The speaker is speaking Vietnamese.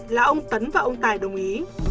là ông tấn và ông tài đồng ý